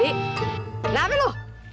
dik kenapa lo